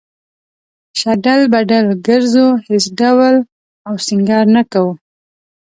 شډل بډل گرځو هېڅ ډول او سينگار نۀ کوو